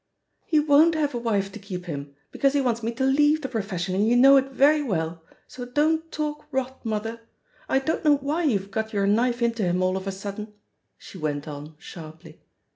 "He won't have a wife to keep him, because he wants me to leave the profession, and you know it very well — ^so don't talk rot, mother I I don't know why you've got your knife into him all of a sudden," she went on sharply.